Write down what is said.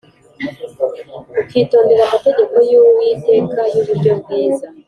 ukitondera amategeko y Uwiteka y uburyo bwiza